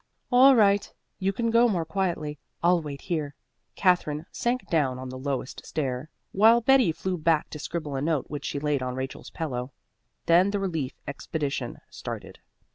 "All right. You can go more quietly; I'll wait here." Katherine sank down on the lowest stair, while Betty flew back to scribble a note which she laid on Rachel's pillow. Then the relief expedition started.